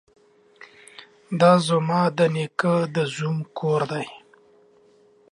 ده ځما ده نيکه ده زوم کور دې.